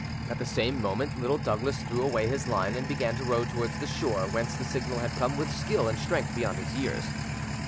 At the same moment Little Douglas threw away his line, and began to row towards the shore whence the signal had come with skill and strength beyond his years.